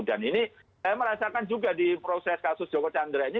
dan ini saya merasakan juga di proses kasus joko chandra ini